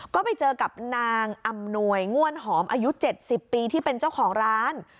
ก็ไปเจอกับนางอำนวยง่วนหอมอายุ๗๐ปีที่เป็นเจ้าของร้าน